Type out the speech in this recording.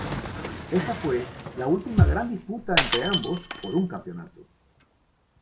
Esa fue la última gran disputa entre ambos por un campeonato.